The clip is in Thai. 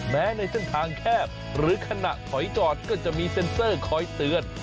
ในเส้นทางแคบหรือขณะถอยจอดก็จะมีเซ็นเซอร์คอยเตือน